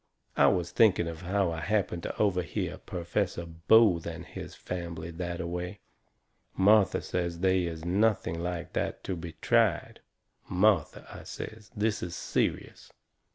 I was thinking of how I happened to overhear Perfessor Booth and his fambly that a way. Martha says they is nothing like that to be tried. "Martha," I says, "this is serious.